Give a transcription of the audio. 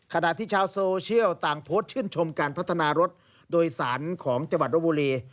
ขณะที่ชาวโซเชียลต่างโพสต์ชื่นชมการพัฒนารถโดยสารของจังหวัดรบบุรี